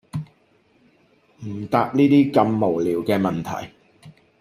唔答呢啲咁無聊嘅問題